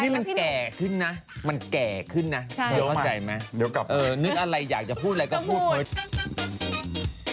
มันแก่ขึ้นนะมันแก่ขึ้นนะเดี๋ยวเข้าใจไหมนึกอะไรอยากจะพูดอะไรก็พูดเมื่อเท่าไหร่